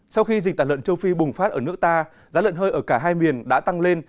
sau khi dịch tả lợn châu phi bùng phát ở nước ta giá lợn hơi ở cả hai miền đã tăng lên